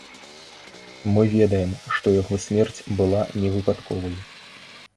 Мы ведаем, што яго смерць была невыпадковай.